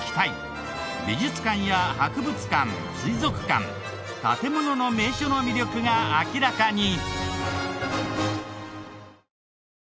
美術館や博物館水族館建ものの名所の魅力が明らかに！